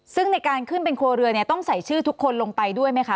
ซึ่งในการขึ้นเป็นครัวเรือเนี่ยต้องใส่ชื่อทุกคนลงไปด้วยไหมคะ